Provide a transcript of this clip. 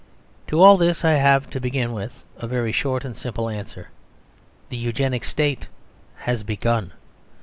To all this I have, to begin with, a very short and simple answer. The Eugenic State has begun.